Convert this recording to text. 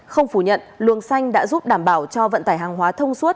không phủ nhận luồng xanh đã giúp đảm bảo cho vận tải hàng hóa thông suốt